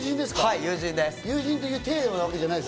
友人です。